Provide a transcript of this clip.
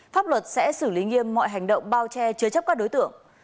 pháp luật sẽ xử lý nghiêm mọi hành động bao che chứa chấp các đối tượng